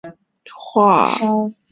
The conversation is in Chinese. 并在将来实现全面国产化。